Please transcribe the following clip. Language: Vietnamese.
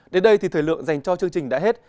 đến đây thì thời lượng dành cho chương trình đã hết